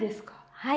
はい。